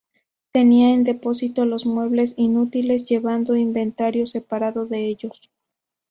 Tenían en depósito los muebles inútiles llevando inventario separado de ellos.